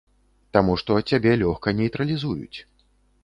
Таму што цябе лёгка нейтралізуюць.